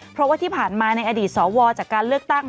เพราะว่าที่ผ่านมาในอดีตสวจากการเลือกตั้ง